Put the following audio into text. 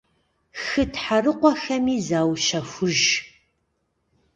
Хы тхьэрыкъуэхэми заущэхуж.